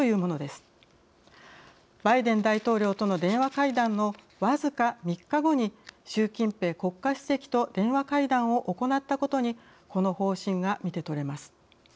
バイデン大統領との電話会談の僅か３日後に習近平国家主席と電話会談を行ったことにこの方針が見てとれます。